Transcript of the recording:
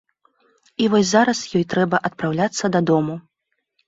І вось зараз ёй трэба адпраўляцца дадому.